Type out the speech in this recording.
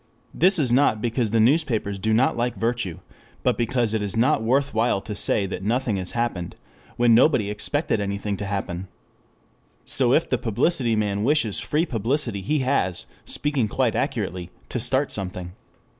This is not because the newspapers do not like virtue, but because it is not worth while to say that nothing has happened when nobody expected anything to happen. So if the publicity man wishes free publicity he has, speaking quite accurately, to start something.